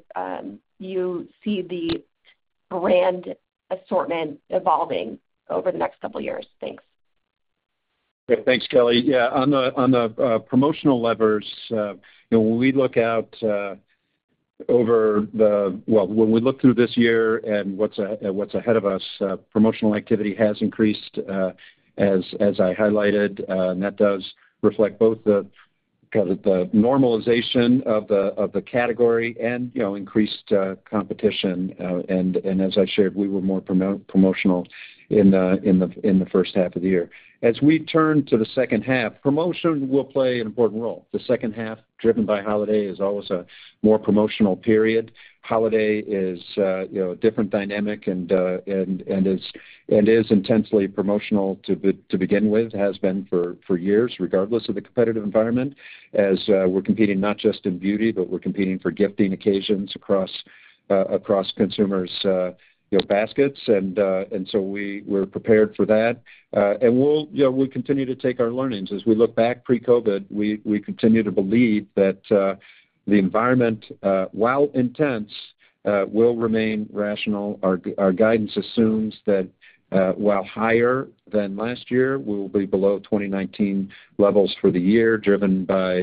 you see the brand assortment evolving over the next couple years? Thanks. Thanks, Kelly. Yeah, on the promotional levers, you know, when we look through this year and what's ahead of us, promotional activity has increased, as I highlighted, and that does reflect both the kind of the normalization of the category and, you know, increased competition. And as I shared, we were more promotional in the first half of the year. As we turn to the second half, promotion will play an important role. The second half, driven by holiday, is always a more promotional period. Holiday is, you know, a different dynamic and is intensely promotional to begin with, has been for years, regardless of the competitive environment, as we're competing not just in beauty, but we're competing for gifting occasions across consumers', you know, baskets, and so we're prepared for that, and we'll continue to take our learnings. You know, as we look back pre-COVID, we continue to believe that the environment, while intense, will remain rational. Our guidance assumes that, while higher than last year, we will be below 2019 levels for the year, driven by,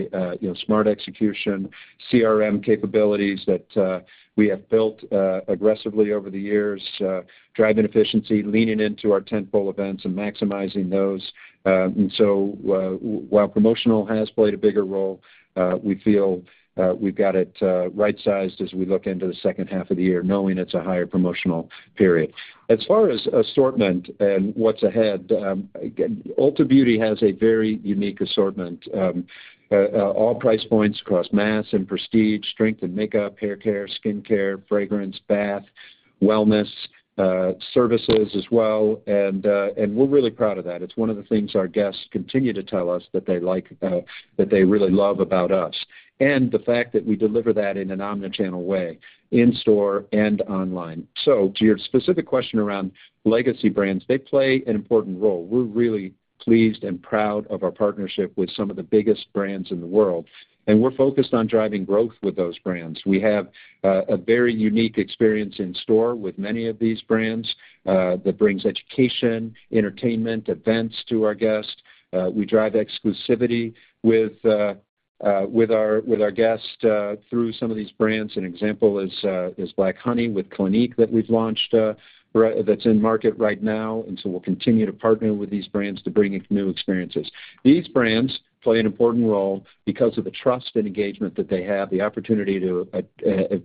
you know, smart execution, CRM capabilities that we have built aggressively over the years, driving efficiency, leaning into our tentpole events and maximizing those. And so while promotional has played a bigger role, we feel we've got it right-sized as we look into the second half of the year, knowing it's a higher promotional period. As far as assortment and what's ahead, Ulta Beauty has a very unique assortment. All price points across mass and prestige, strength and makeup, haircare, skincare, fragrance, bath, wellness, services as well, and we're really proud of that. It's one of the things our guests continue to tell us that they like, that they really love about us, and the fact that we deliver that in an omni-channel way, in-store and online. So to your specific question around legacy brands, they play an important role. We're really pleased and proud of our partnership with some of the biggest brands in the world, and we're focused on driving growth with those brands. We have a very unique experience in store with many of these brands that brings education, entertainment, events to our guests. We drive exclusivity with our guests through some of these brands. An example is Black Honey with Clinique that we've launched that's in market right now, and so we'll continue to partner with these brands to bring in new experiences. These brands play an important role because of the trust and engagement that they have, the opportunity to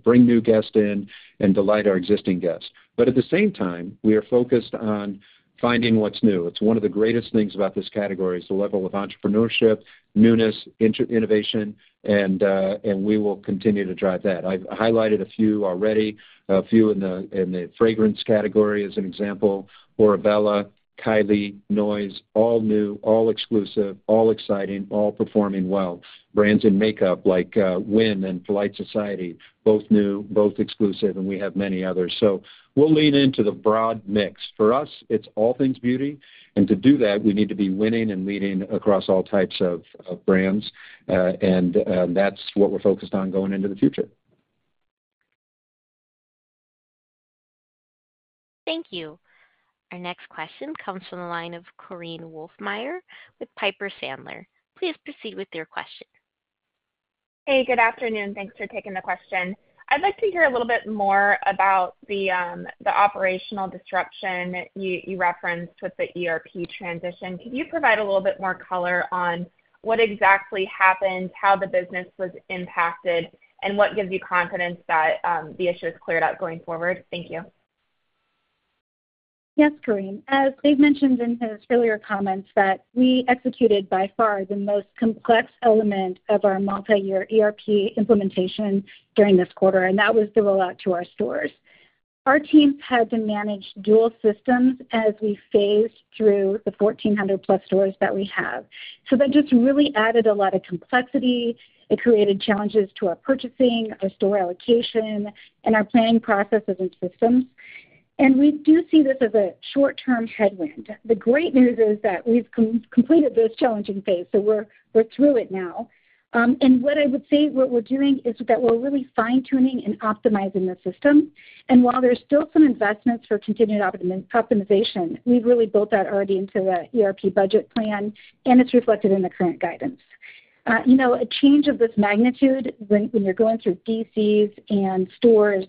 bring new guests in and delight our existing guests. But at the same time, we are focused on finding what's new. It's one of the greatest things about this category is the level of entrepreneurship, newness, innovation, and we will continue to drive that. I've highlighted a few already, a few in the, in the fragrance category, as an example, Orebella, Kylie, NOYZ, all new, all exclusive, all exciting, all performing well. Brands in makeup like, WYN and Polite Society, both new, both exclusive, and we have many others. So we'll lean into the broad mix. For us, it's all things beauty, and to do that, we need to be winning and leading across all types of, of brands, and, that's what we're focused on going into the future. Thank you. Our next question comes from the line of Korinne Wolfmeyer with Piper Sandler. Please proceed with your question. Hey, good afternoon. Thanks for taking the question. I'd like to hear a little bit more about the operational disruption you referenced with the ERP transition. Can you provide a little bit more color on what exactly happened, how the business was impacted, and what gives you confidence that the issue is cleared up going forward? Thank you. Yes, Korinne. As Dave mentioned in his earlier comments, that we executed by far the most complex element of our multi-year ERP implementation during this quarter, and that was the rollout to our stores. Our teams had to manage dual systems as we phased through the 1,400-plus stores that we have. So that just really added a lot of complexity. It created challenges to our purchasing, our store allocation, and our planning processes and systems. And we do see this as a short-term headwind. The great news is that we've completed this challenging phase, so we're through it now. And what I would say, what we're doing is that we're really fine-tuning and optimizing the system. And while there's still some investments for continued optimization, we've really built that already into the ERP budget plan, and it's reflected in the current guidance. You know, a change of this magnitude when you're going through DCs and stores,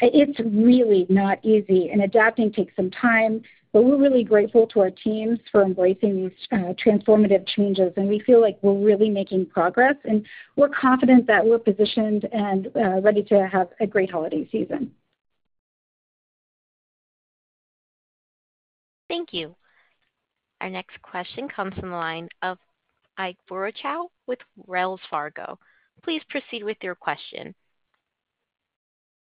it's really not easy, and adapting takes some time, but we're really grateful to our teams for embracing these transformative changes, and we feel like we're really making progress, and we're confident that we're positioned and ready to have a great holiday season. Thank you. Our next question comes from the line of Ike Boruchow with Wells Fargo. Please proceed with your question.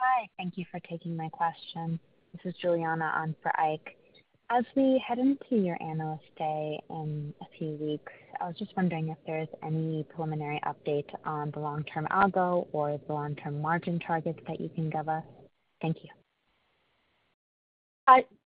Hi, thank you for taking my question. This is Juliana on for Ike. As we head into your Analyst Day in a few weeks, I was just wondering if there's any preliminary update on the long-term algo or the long-term margin targets that you can give us? Thank you. ...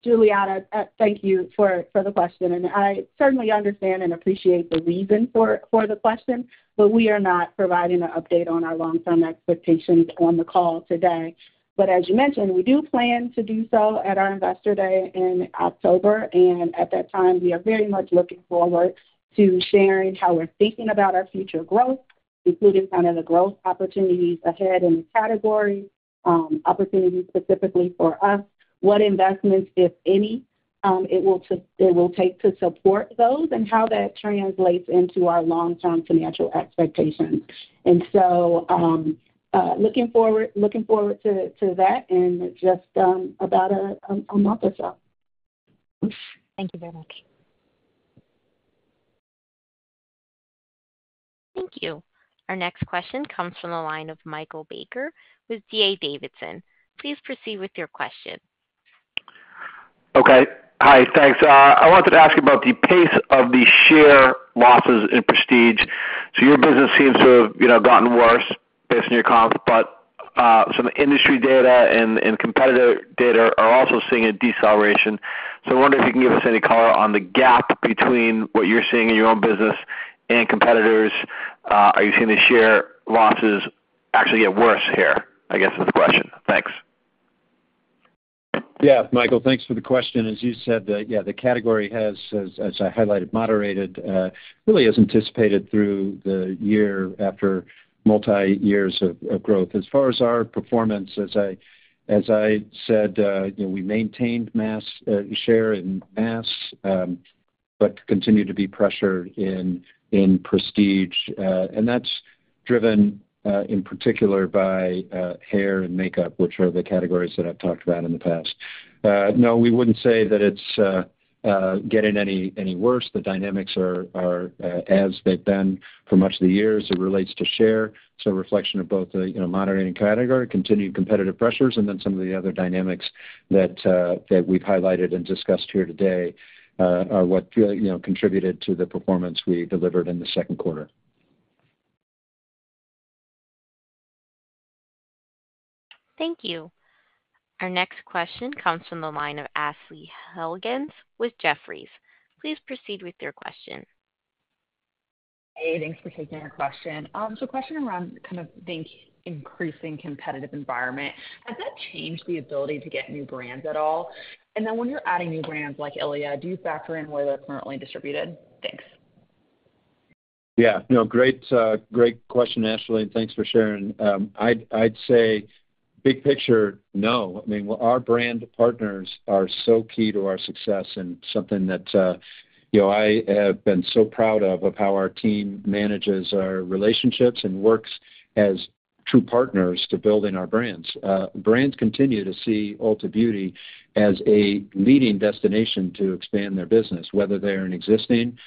Hi, Julietta, thank you for the question, and I certainly understand and appreciate the reason for the question, but we are not providing an update on our long-term expectations on the call today, but as you mentioned, we do plan to do so at our Investor Day in October, and at that time, we are very much looking forward to sharing how we're thinking about our future growth, including kind of the growth opportunities ahead in the category, opportunities specifically for us, what investments, if any, it will take to support those, and how that translates into our long-term financial expectations, and so looking forward to that, and it's just about a month or so. Thank you very much. Thank you. Our next question comes from the line of Michael Baker with D.A. Davidson. Please proceed with your question. Okay. Hi, thanks. I wanted to ask about the pace of the share losses in prestige. So your business seems to have, you know, gotten worse based on your comp, but some industry data and competitor data are also seeing a deceleration. So I wonder if you can give us any color on the gap between what you're seeing in your own business and competitors. Are you seeing the share losses actually get worse here? I guess, is the question. Thanks. Yeah, Michael, thanks for the question. As you said, the category has, as I highlighted, moderated really as anticipated through the year after multi years of growth. As far as our performance, as I said, you know, we maintained mass share in mass, but continue to be pressured in prestige, and that's driven in particular by hair and makeup, which are the categories that I've talked about in the past. No, we wouldn't say that it's getting any worse. The dynamics are as they've been for much of the years as it relates to share. It's a reflection of both the, you know, moderating category, continued competitive pressures, and then some of the other dynamics that we've highlighted and discussed here today, are what, you know, contributed to the performance we delivered in the second quarter. Thank you. Our next question comes from the line of Ashley Helgans with Jefferies. Please proceed with your question. Hey, thanks for taking our question. So a question around kind of the increasing competitive environment. Has that changed the ability to get new brands at all? And then when you're adding new brands like ILIA, do you factor in where they're currently distributed? Thanks. Yeah, no, great, great question, Ashley, and thanks for sharing. I'd, I'd say big picture, no. I mean, our brand partners are so key to our success and something that, you know, I have been so proud of, of how our team manages our relationships and works as true partners to build in our brands. Brands continue to see Ulta Beauty as a leading destination to expand their business, whether they're an existing,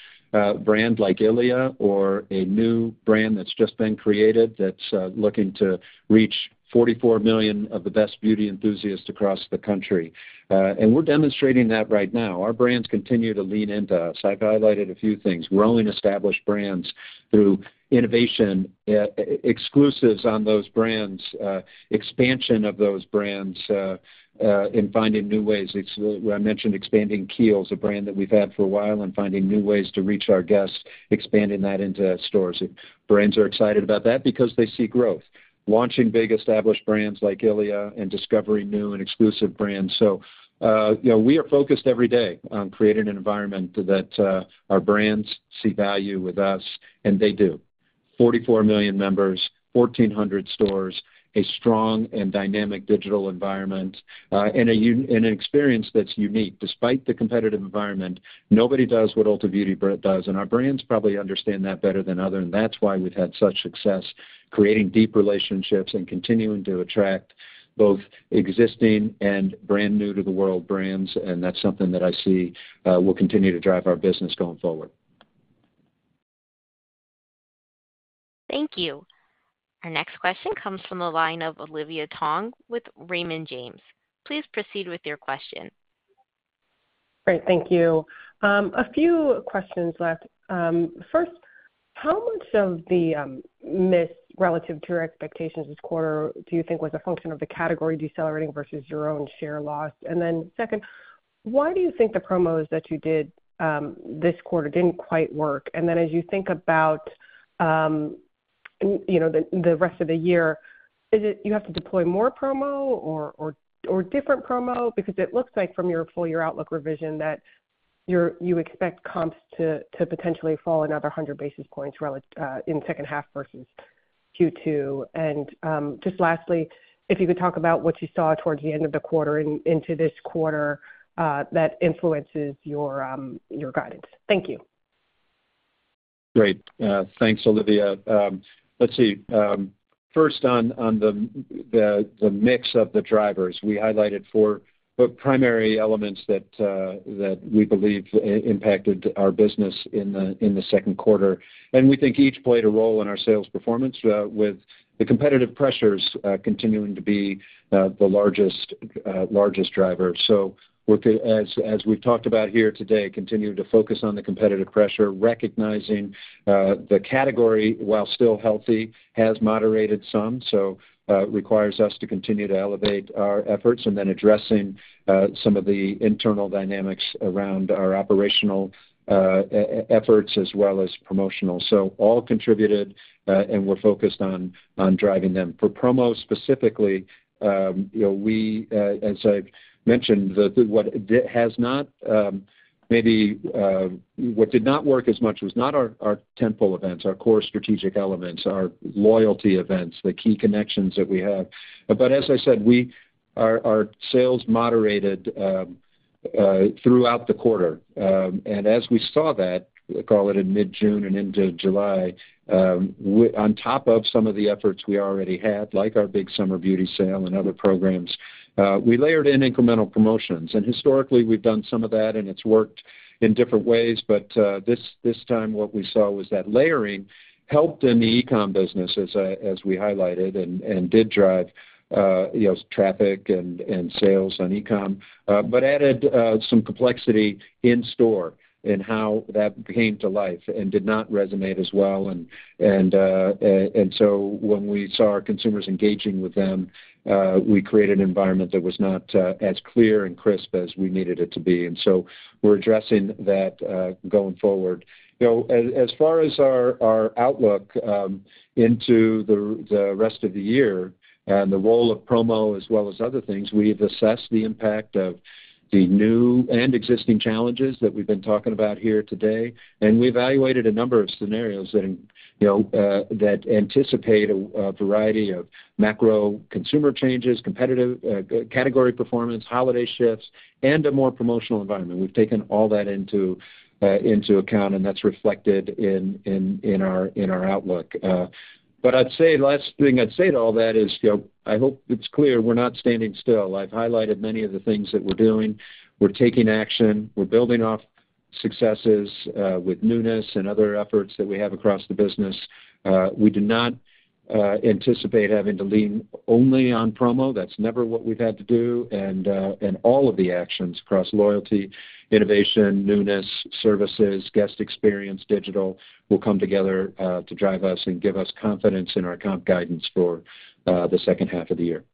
brand like ILIA, or a new brand that's just been created, that's, looking to reach 44 million of the best beauty enthusiasts across the country. And we're demonstrating that right now. Our brands continue to lean into us. I've highlighted a few things, growing established brands through innovation, exclusives on those brands, expansion of those brands, and finding new ways. I mentioned expanding Kiehl's, a brand that we've had for a while, and finding new ways to reach our guests, expanding that into stores. Brands are excited about that because they see growth. Launching big, established brands like ILIA and discovering new and exclusive brands. So, you know, we are focused every day on creating an environment that our brands see value with us, and they do. 44 million members, 1,400 stores, a strong and dynamic digital environment, and an experience that's unique. Despite the competitive environment, nobody does what Ulta Beauty brand does, and our brands probably understand that better than others, and that's why we've had such success creating deep relationships and continuing to attract both existing and brand new to the world brands, and that's something that I see will continue to drive our business going forward. Thank you. Our next question comes from the line of Olivia Tong with Raymond James. Please proceed with your question. Great, thank you. A few questions left. First, how much of the miss relative to your expectations this quarter do you think was a function of the category decelerating versus your own share loss? And then second, why do you think the promos that you did this quarter didn't quite work? And then as you think about, you know, the rest of the year, is it you have to deploy more promo or different promo? Because it looks like from your full year outlook revision that you expect comps to potentially fall another 100 bps relative in the second half versus Q2. And just lastly, if you could talk about what you saw towards the end of the quarter and into this quarter that influences your guidance. Thank you.... Great. Thanks, Olivia. Let's see. First on the mix of the drivers. We highlighted four primary elements that we believe impacted our business in the second quarter, and we think each played a role in our sales performance, with the competitive pressures continuing to be the largest driver. So we're, as we've talked about here today, continuing to focus on the competitive pressure, recognizing the category, while still healthy, has moderated some, so requires us to continue to elevate our efforts, and then addressing some of the internal dynamics around our operational efforts as well as promotional. So all contributed, and we're focused on driving them. For promo specifically, you know, as I've mentioned, what did not work as much was not our tentpole events, our core strategic elements, our loyalty events, the key connections that we have. But as I said, our sales moderated throughout the quarter. And as we saw that, call it in mid-June and into July, on top of some of the efforts we already had, like our Big Summer Beauty Sale and other programs, we layered in incremental promotions. And historically, we've done some of that, and it's worked in different ways, but this time, what we saw was that layering helped in the e-com business, as we highlighted, and did drive, you know, traffic and sales on e-com. But added some complexity in store and how that came to life and did not resonate as well. And so when we saw our consumers engaging with them, we created an environment that was not as clear and crisp as we needed it to be. And so we're addressing that going forward. You know, as far as our outlook into the rest of the year and the role of promo as well as other things, we've assessed the impact of the new and existing challenges that we've been talking about here today. And we evaluated a number of scenarios that you know that anticipate a variety of macro consumer changes, competitive category performance, holiday shifts, and a more promotional environment. We've taken all that into account, and that's reflected in our outlook. But I'd say, last thing I'd say to all that is, you know, I hope it's clear we're not standing still. I've highlighted many of the things that we're doing. We're taking action. We're building off successes with newness and other efforts that we have across the business. We do not anticipate having to lean only on promo. That's never what we've had to do, and all of the actions across loyalty, innovation, newness, services, guest experience, digital, will come together to drive us and give us confidence in our comp guidance for the second half of the year.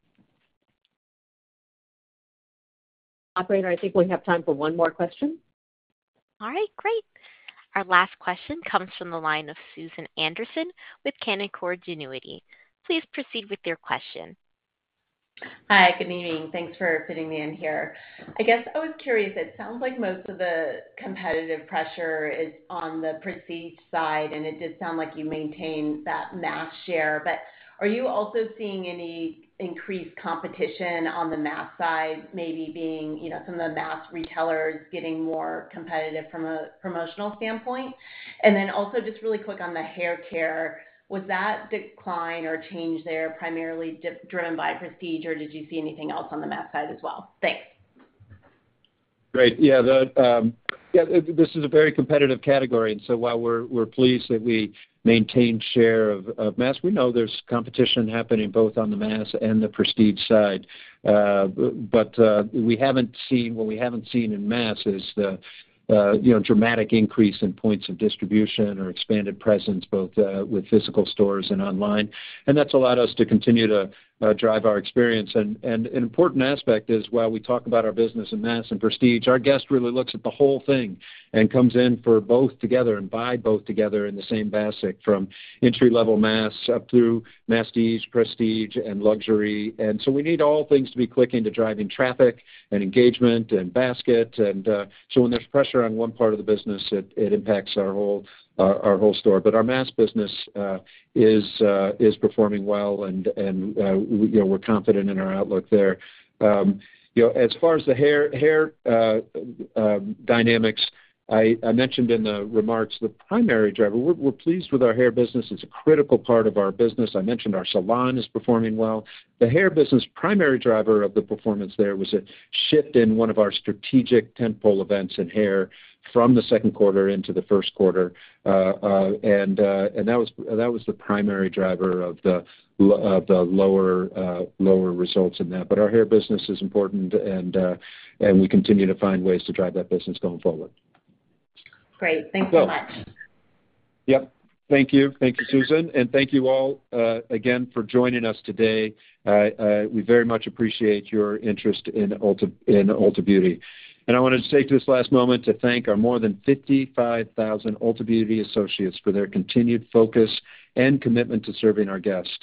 Operator, I think we have time for one more question. All right, great! Our last question comes from the line of Susan Anderson with Canaccord Genuity. Please proceed with your question. Hi, good evening. Thanks for fitting me in here. I guess I was curious. It sounds like most of the competitive pressure is on the prestige side, and it did sound like you maintained that mass share. But are you also seeing any increased competition on the mass side, maybe being, you know, some of the mass retailers getting more competitive from a promotional standpoint? And then also, just really quick on the hair care, was that decline or change there primarily driven by prestige, or did you see anything else on the mass side as well? Thanks. Great. Yeah, the yeah, this is a very competitive category, and so while we're pleased that we maintained share of mass, we know there's competition happening both on the mass and the prestige side. But we haven't seen what we haven't seen in mass is the you know dramatic increase in points of distribution or expanded presence both with physical stores and online. And that's allowed us to continue to drive our experience. And an important aspect is, while we talk about our business in mass and prestige, our guest really looks at the whole thing and comes in for both together and buy both together in the same basket, from entry-level mass up through masstige, prestige, and luxury. And so we need all things to be clicking to driving traffic and engagement and basket and So when there's pressure on one part of the business, it impacts our whole store. But our mass business is performing well, and you know, we're confident in our outlook there. You know, as far as the hair dynamics, I mentioned in the remarks, the primary driver. We're pleased with our hair business. It's a critical part of our business. I mentioned our salon is performing well. The hair business primary driver of the performance there was a shift in one of our strategic tentpole events in hair from the second quarter into the first quarter, and that was the primary driver of the lower results in that. But our hair business is important, and we continue to find ways to drive that business going forward. Great. Thanks so much. Yep. Thank you. Thank you, Susan, and thank you all, again for joining us today. We very much appreciate your interest in Ulta, in Ulta Beauty, and I wanted to take this last moment to thank our more than 55,000 Ulta Beauty associates for their continued focus and commitment to serving our guests.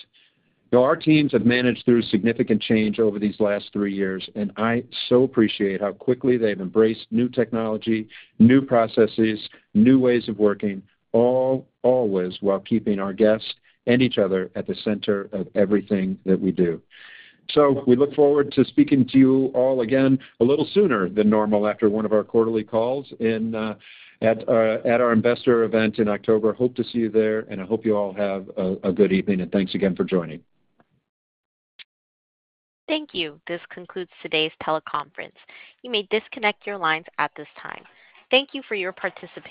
You know, our teams have managed through significant change over these last three years, and I so appreciate how quickly they've embraced new technology, new processes, new ways of working, always while keeping our guests and each other at the center of everything that we do, so we look forward to speaking to you all again a little sooner than normal after one of our quarterly calls in at our investor event in October. Hope to see you there, and I hope you all have a good evening, and thanks again for joining. Thank you. This concludes today's teleconference. You may disconnect your lines at this time. Thank you for your participation.